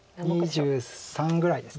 ２３ぐらいですか。